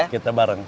oke kita bareng